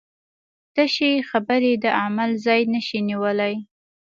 تشې خبرې د عمل ځای نشي نیولی.